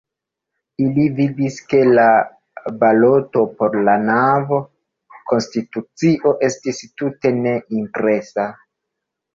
Ili vidis, ke la baloto por la nova konstitucio estis tute ne impresa.